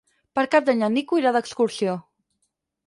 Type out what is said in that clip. Per Cap d'Any en Nico irà d'excursió.